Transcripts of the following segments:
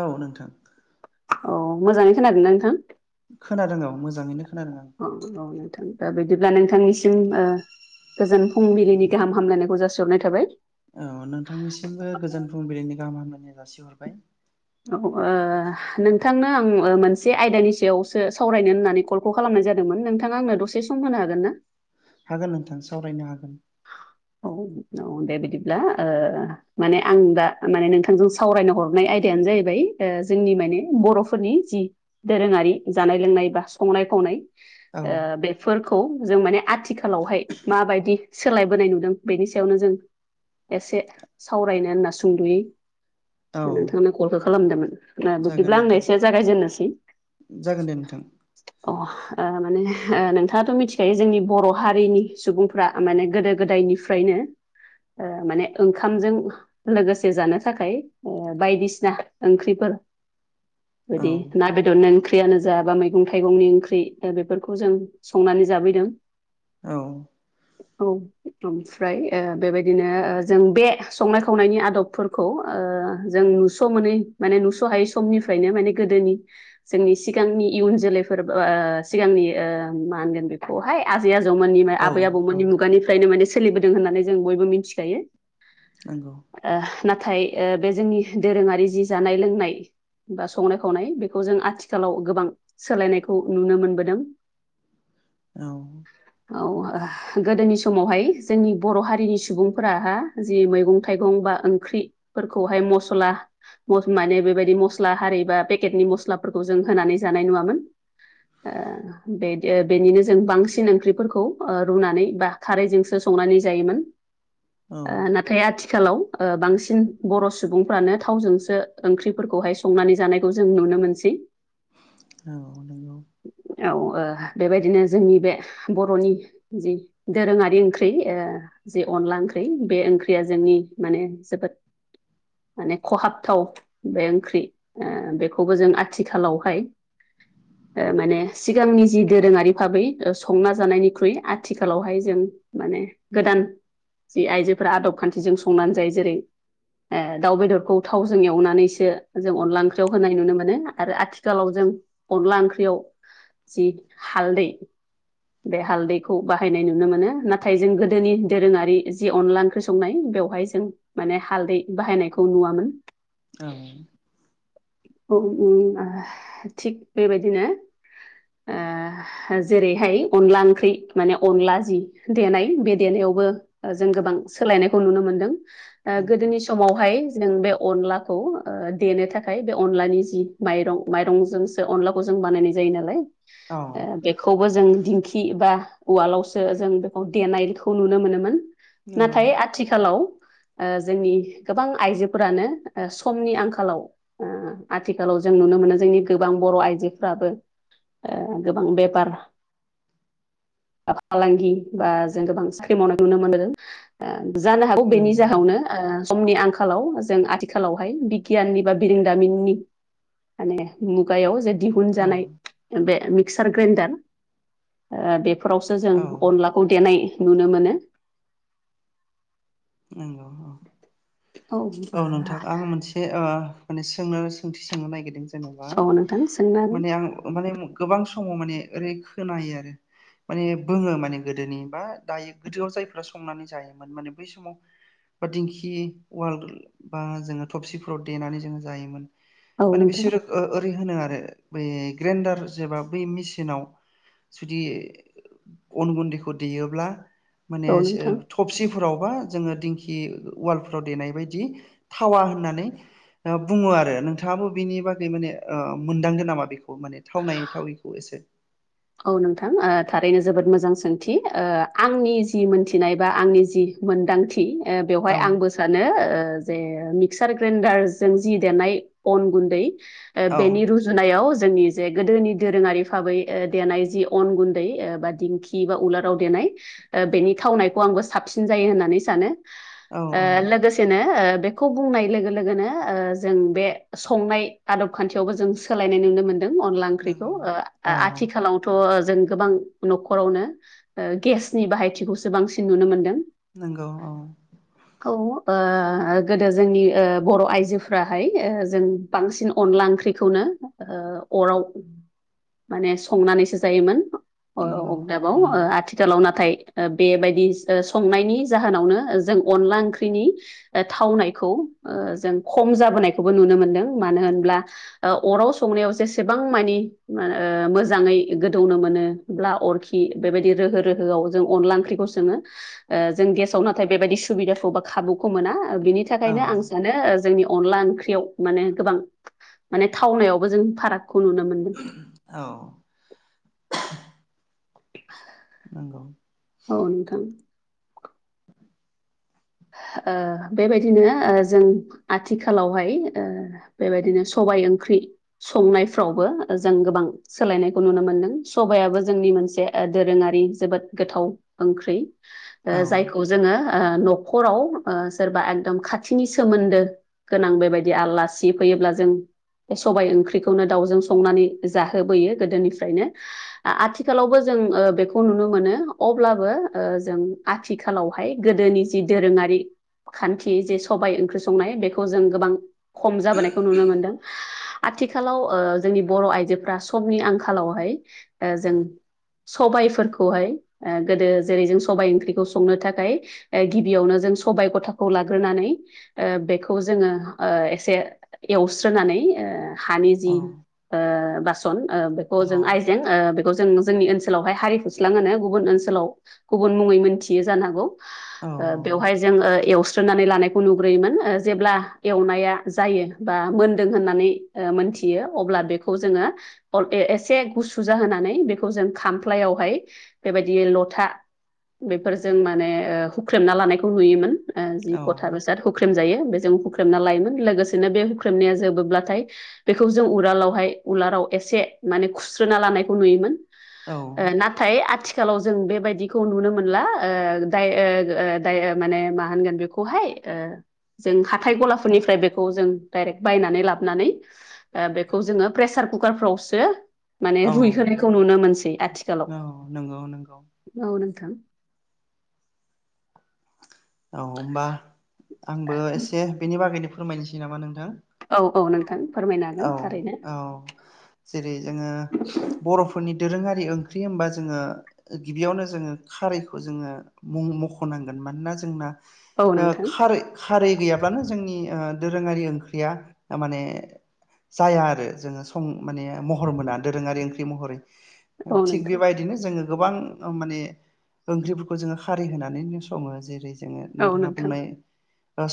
औ नोंथां अ मोजाङै खोनादोंना नोंथां खोनादों औ मोजाङैनो खोनादों आं औ औ नोंथां दा बिदिब्ला नोंथांनिसिम ओ गोजोन फुंबिलिनि गाहाम हामलायनायखौ जासिहरनाय थाबाय औ नोंथांनिसिमबो गोजोन फुंबिलिनि गाहाम हामलायनाय जासिहरबाय औ नोंथांनो आं मोनसे आयदानि सायावसो सावरायनो होननानै कल खौ खालामनाय जादोंमोन नोंथाङा आंनो दसे सम होनो हागोन ना हागोन नोंथां सावरायनो हागोन औ औ दे बिदिब्ला ओ माने आं दा माने नोंथांजों सावरायनो हरनाय आयदायानो जाहैबाय जोंनि माने बर'फोरनि जि दोरोङारि जानाय लोंनाय बा संनाय खावनाय औ ओ बेफोरखौ जों माने आथिखालावहाय माबायदि सोलायबोनाय नु बेनि सायावनो जों एसे सावरायनो होनना सुंदुयै औ नोंथांनो कलखौ खालामदोंमोन जागोन बिदिब्ला आंनो नोंथां एसे जागायजेननोसै जागोन दे नोंथां अ माने नोंथाङाथ' मिथिखायो जोंनि बर हारिनि सुबुंफ्रा माने गोदो गोदायनि फ्रायनो माने ओंखामजों लोगोसे जानो थाखाय ओ बायदिसिना ओंख्रिफोर औ बिदि ना बेदर नों ओंख्रियानो जा बा मैगं थाइगंनि ओंख्रि दा बेफोरखौ जों संनानै जाबोदों औ औ ओमफ्राय ओ बेबायदिनो जों बे संनाय खावनायनि आदबफोरखौ ओ जों नुस सम मोनै माने नुस हायै समनिफ्रायनो माने गोदोनि जोंनि सिगांनि इयुन जोलैफोरबो ओ सिगांनि ओ मा होनगोन बे खौहाय आजै आजौमोननि औ आबै औ आबौमोननि मुगानिफ्रायनो माने सोलिबोदों होननानै जों बयबो मिथिखायो नांगौ ओ नाथाय बे जोंनि दोरोङारि जि जानाय लोंनाय बा संनाय खावनाय बेखौ जों आथिखालाव गोबां सोलायनायखौ नुनो मोनबोदों लांदां औ औ गोदोनि समावहाय जोंनि बर हारिनि सुबुंफोरा जि मैगं थाइगं बा ओंख्रि फोरखौहाय मसला माने बेबायदि मस्ला हारि बा पेकेटनि मस्लाफोरखौ जों होनानै जानाय नुङामोन ओ बेदि ओ बेनिनो जों बांसिन ओंख्रिफोरखौ ओ रुनानै बा खारैजोंसो संनानै जायोमोन औ ओ ना नाथाय आथिखालाव ओ बांसिन बर सुबुंफ्रानो थावजोंसो ओंख्रिफोरखौहाय स संनानै जानायखौ जों नुनो मोनसै औ नोंगौ औ ओ बेबायदिनो जोंनि बे बर'नि जि दोरोङारि ओंख्रि ओंख्रि ओ जि अनला ओंख्रि बे ओंख्रिया जोंनि माने जोबोद माने खहाबथाव बे ओंख्रि ओ बेखौबो जों आथिखालावहाय ओ माने सिगांनि जि दोरोङारि भाबै संना जानायनिख्रुइ आथिखालावहाय जों माने गोदान जि आइजोफोरा आदब खान्थिजों संनानै जायो जेरै दाउ बेदरखौ थावजों एवनानैसो जों अनला ओंख्रियाव होनाय नुनो मोनो आरो आथिखालाव जों अनला ओंख्रियाव जि हालदै बे हालदैखौ बाहायनाय नुनो मोनो ना नाथाय जों गोदोनि दोरोङारि जि अनला ओंख्रि संनाय बेवहाय जों माने हालदै बाहायनायखौ नुवामोन औ थिग बेबायदिनो ओ जेरैहाय अनला ओंख्रि माने अनला जि देनाय बे देनायावबो जों गोबां सोलायनायखौ नुनो मोनदों ओ नंगौ गोदोनि सम समावहाय नों बे अनलाखौ ओ देनो थाखाय बे अनलानि जि माइरं माइरंजों अनलाखौ जों बानायनाय जायो नालाय। औ ओ बेखौबो जों दिंखि बा उवालावसो जों बेखौ देनायखौ नुनो मोनोमोन नंगौ नाथाय आथिखालाव ओ जोंनि गोबां आइजोफोरानो ओ समनि आंखालाव ओ आथिखालाव जों नुनो मोनो जोंनि गोबां बर'थ आइजोफ्राबो ओ गोबां बेफार फालांगि बा जों गोबां साख्रि मावनाय नुनो मोनदों ओ जानो हागौ बेनि नंगौ जाहावनो ओ समनि आंखालाव जों आथिखालावहाय बिगियाननि बा बिरोंदामिननि माने मुगायाव जे दिहुन औ जानाय बे मिक्सार ग्रेन्डार ओ बे बेफोरावसो जों औ अनलाखौ देनाय नुनो मोनो नंगौ औ। औ नोंथां आं ओ मोनसे माने सोंनो सोंथि सोंनो नागिरदों जेनेबा औ नोंथां सोंनो माने आं माने गोबां समाव माने ओरै खोनायो आरो माने बोङो माने गोदोनि बा दायो गोदोआव जायफ्रा संनानै जायोमोन माने बै समाव बा दिंखि उवाल बा जोङो थबसिफोराव देनानै जोङो जायोमोन। माने हागोन औ नोंथां बिसोरो ओ ओरै होनो आरो बै ग्रेन्डार जेबा बै मेसिनाव जुदि अन गुन्दैखौ देयोब्ला माने औ ओ नोंथां थबसिफोरावबा जोङो दिंखि उवालफ्राव देनाय बायदि थावा होननानै बुङो आरो नोंथाङाबो बिनि बागै माने ओ मोनदांगोन नामा बेखौ माने थावनाय थावैखो एसे औ नोंथां ओ थारैनो जोबोद मोजां सोंथि ओ आंनि जि मोनथिनाय बा आंनि जि मोनदांथि ओ बेवहाय औ आंबो सानो ओ जे मिक्सार ग्राइडारजों जि देरनाय अन गुन्दै ओ औ बेनि रुजुनायाव जोंनि जे गोदोनि दोरोङारि भाबै ओ देनाय जि अन गुन्दै ओ बा दिंखि बा उलाराव देनाय बेनि थावनायखौ आंबो साबसिन जायो होननानै सानो औ ओ औ लोगोसे ओ बेखौ बुंनाय लोगो लोगोनो ओ जों बे संनाय आदब खान्थियावबो जों सोलायनाय नुनो मोनदों अनला ओंख्रिखौ नंगौ ओ औ आथिखालावथ' जों गोबां नख'रावनो ओ गेसनि बाहायथिखौसो बांसिन नुनो मोनदों नंगौ औ औ ओ गोदो जोंनि ओ बर' आइजो फ्राहाय ओ जों बांसिन अनला ओंख्रिखौनो ओ अराव माने संनानैसो जायोमोन। ओ नंगौ अदाबाव उम आथिखाल नाथाय ओ बेबायदि संनायनि जाहोनावनो जों अनला ओंख्रिनि थावनायखौ ओ जों खम जाबोनायखौबो नुनो मोनदों मानो होनब्ला ओ अराव संनायाव जेसेबां मानि ओ मोज जाङै गोदौनो मोनो ब्ला अरखि बेबायदि रोहो रोहोआव जों अनला ओंख्रिखौ सोङो। ओ जों गेसाव नाथाय बेबायाददि सुबिदाखौ बा खाबुखौ मोना बिनि औ थाखायनो आं सानो ओ जोंनि अनला ओंख्रि याव माने गोबां माने थावनायावबो जों फारागखौ नुनो मोनो। औ [inaudible] नंगौ। औ नोंथां। ओ बेबायदिनो ओ जों आथिखालावहाय ओ बेबायदिनो सबाय ओंख्रि संनायफ्रावबो जों गोबां सोलायनायखौ नुनो मोनदों सबायाबो जोंनि मोनसे दोरोङारि जोबोद गोथाव। ओंख्रि औ जायखौ ओ जोङो ओ नख खराव ओ सोरबा एखदम खाथिनि सोमोन्दो गोनां बेबायदि आलासि फैयोब्ला जों बे सबाय ओंख्रिखौनो दाउजों संनानै जाहोबोयो गोदोनिफ्रायनो आ-आथिखालावबो जों ओ बेखौ नुनो मोनो अब्लाबो ओ जों आथिखालावहाय गोदोनि जि दोरोङारि खान्थि जे सबाय ओंख्रि संनाय बेखौ जों गोबां खम जाबोनायखौ नुनो मोनदों। आथिखालाव ओ जोंनि बर' आइजोफ्रा समनि आंखालावहाय ओ जों सबायफोरखौहाय ओ गोदो जेरै जों सबाइ ओंख्रिखौ संनो थाखाय। ओ गिबियावनो जों सबाय गथाखौ लाग्रोनानै ओ बेखौ जोङो ओ एसे एवस्रोनानै ओ हानि जि औ ओ बासन ओ बेखौ औ जों आयजें ओ बेखौ जों जोंनि ओनसोलावहाय हारि फुस्लाङो गुबुन ओनसोलाव गुबुन मुङै मोनथियो जान हांगौ औ ओ बेवहाय जों एवस स्रोनानै लानायखौ नुग्रोयोमोन ओ जेब्ला एवनाया जायो बा मोनदों होननानै ओ मोनथियो अब्ला बेखौ जोङो अरदे एसे गुसु जाहोनानै बेखौ जों खामफ्लायावहाय बेबायदि लथा बेफोरजों माने ओ हुख्रेमना लानायखौ नुयोमोन ओ जि औ गथा बेसाद हुख हुख्रेम जायो बेजों हुख्रेमना लायोमोन लोगोसेनो बे हुख्रेमनाया जोबोब्लाथाय बेखौ जों उरालावहाय उलालाव एसे माने खुस्रोना लानायखौ नुयोमोन। औ ओ नाथाय आथिखालाव जों बेबायदिखौ नुनो मोनला दाय ओ दायो माने मा होनगोन बेखौहाय ओ जों हाथाइ गलाफोरनिफ्राय बेखौ जों डाइरेक्ट बायनानै लाबोनानै ओ बेखौ जोङो प्रेसार कुकारफ्रावसो माने औ रुइहोनायखौ नुनो मोनसै औ नंगौ नंगौ आथिखालाव औ नोंथां औ होनोमबा आंबो एसे बेनि बागैनो फोरमायनोसै नामा नोंथां औ औ नोंथां फोरमायनो हागोन औ थारैनो औ जेरै जोङो बर'फोरनि दोरोङारि ओंख्रि होनबा जोङो गिबियावनो जोङो खारैखौ जोङो मुं मख'नांगोन मानोना जोंना औ ओ नोंथां खारै खारै गैयाब्लानो जोंनि ओ दोरोङारि ओंख्रिया माने जाया आरो जोङो सं माने महर मोना दोरोङारि ओंख्रि महरै औ थिग नोंथां बेबायदिनो जोङो गोबां माने ओंख्रिफोरखौ जोङो खारै होनानै सङो जेरै जोङो औ नोंथाङा नोंथां बुंनाय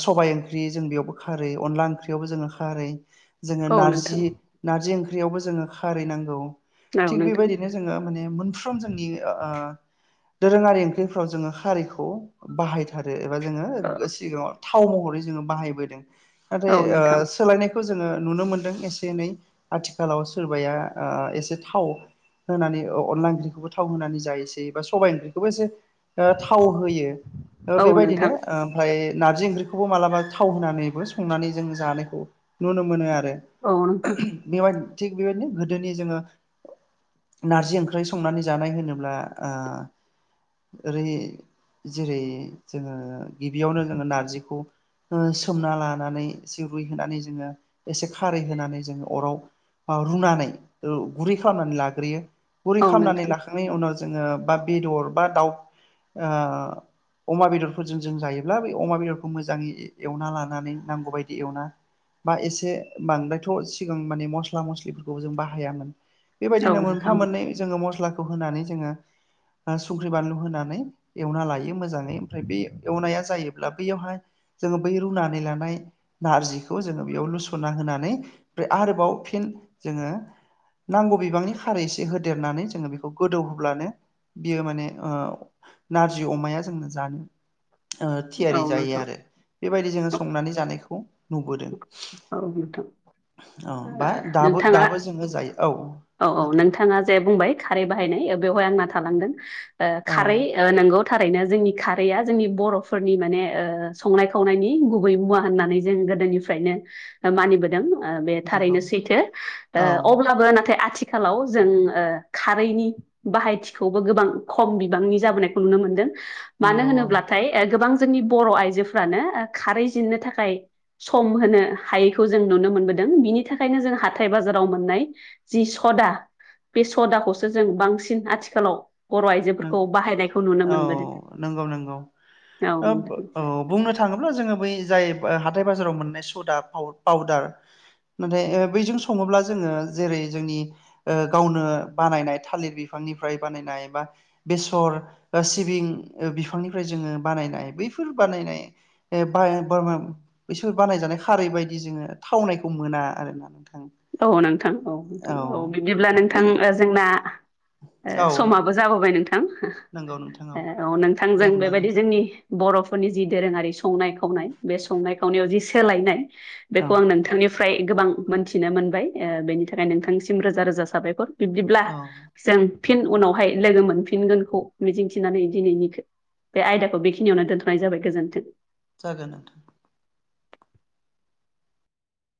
सबबाय ओंख्रि जों बेयावबो खारै अनला ओंख्रियावबो जोङो खारै जोङो औ नारजि नोंथां नारजि ओंख्रियावबो जोङो खारै नांगौ औ थिग नोंथां बेबायदिनो जोङो माने मोनफ्रोम जोंनि ओ दोरोङारि ओंख्रिफ्राव जोङो खारिखौ बाहाय आरो एबा जोङो सिगाङाव थाव महरै जोङो बाहायबोदों नाथाय औ नोंथां ओ सोलायनाय खौ जोङो नुनो मोन्दों एसे एनै आथिखालाव सोरबाया ओ एसे थाव होनानै अनला ओंख्रिखौबो थाव होनानै जायोसै बा सबबाय ओंख्रिखौबो जे ओ थाव होयो ओ औ बेबायदिनो नोंथां ओमफ्राय नार्जि ओंख्रिखौबो मालाबा थाव होनानैबो संनानै जों जानायखौ नुनो मोनो आरो। औ नोंथां। बेबाय थिग बेबायदिनो गोदोनि जोङो नारजि ओंख्रि संनानै जानाय होनोब्ला ओ ओरै जेरै जोङो गिबियावनो जोङो नारजिखौ ओ सोमना लानानै जि रुइहोनानै जोङो एसे खारै होनानै जोङो अराव बा रुनानै गुरै खालामनानै लाग्रोयो। गुरै औ खालामनानै नोंथां लाखांनायनि उनाव जोङो बा बेदर बा दाउ ओ अमा बेदरफोरजों जों जायोब्ला बै अमा बेदरखौ मोजाङै एवना लानानै नांगौ बायदि एवना बा एसे बांद्रायथ' सिगां माने मस्ला मस्लिफोरखौबो जों बाहायामोन। बेबायदिनो औ मोनफा नोंथां मोननै जोङो मस्लाखौ होनानै जोङो संख्रि बानलु होनानै एवना लायो मोजाङै ओमफ्राय बे एवनाया जायोब्ला बैयावहाय जोङो बै रुनानै लानाय नारजिखौ जोङो बेयाव लुस सना होनानै फ्राय आरोबाव फिन जोङो नांगौ बिबांनि खारै एसे होदेरनानै जोङो बेखौ गोदौ होब्लानो बियो माने ओ नारजि अमाया जोंनो जानो ओ थियारि जायो आरो। बेबायदि जोङो संनानै जानायखौ नुबोदों। औ नोंथां। औ बा दाबो नोंथाङा दाबो जोङो जायो औ औ औ नोंथां नोंथाङा जे बुंबाय खारै बानाय ओ बेवहाय आंना थांलांदो ओ औ खारै ओ नोंगौ थारैनो जोंनि खारैया जोंनि बर'फोरनि माने ओ संनाय खावनायनि गुबै मुवा होननानै जों गोदोनिफ्रायनो मानिबोदों ओ बे नंगौ थारैनो सैथो औ ओ अब्लाबो नाथाय आथिखालाव जों ओ खारैनि बाहायथिखौबो गोबां खम बिबांनि जाबोनायखौ नुनो मोनदों मानो नंगौ औ होनोब्लाथाय ओ गोबां जोंनि बर' आइजोफ्रानो ओ खारै जिननो थाखाय सम होनो हायैखौ जों नुनो मोनबोदों। बिनि थाखायनो जों हाथाय बाजाराव मोननाय जि सदा बे सदाखौसो जों बांसिन आथिखालाव बर' नों आइजोफोरखौ बाहायनायखौ नुनो औ मोनबोदों नंगौ नंगौ औ ओब नोंथां औ बुंनो थाङोब्ला जोङो बै जाय हाथाय बाजाराव मोननाय सदा पाउ पाउदार नाथाय ओ बैजों सङोब्ला जोङो जेरै जोंनि ओ गावनो बानायनाय थालिर बिफांनिफ्राय बानायनाय बा बेसर सिबिं बिफांनिफ्राय जोङो बानायनाय बैफोर बानायनाय एफा एफा बोम बैसोर बानायजानाय खारै बायदि जोङो थावनायखौ मोना आरोना नोंथां। औ नोंथां औ नोंथां औ बिदिब्ला बे नोंथां जोंना ओ औ समा जाबोबाय नोंथां। नंगौ नोंथां औ दे नोंथांजों होमब्ला बेबायदि नोंथां जोंनि बर'फोरनि जि दोरोङारि संनाय खावनाय बे संनाय खावनायाव जि सोलायनाय औ बेखौ आं नोंथांनिफ्राय गोबां मोनथिनो मोनबाय। ओ बेनि थाखाय नोंथांनिसिम रोजा रोजा साबायखर। बिब्दिब्ला औ जों फिन उनावहाय लोगो मोनफिनगोनखौ मिजिंथिनानै दिनैनि खो बे आयदाखौ बेखिनियावनो दोनथ'नाय जाबाय गोजोन्थों। जागोन नोंथां।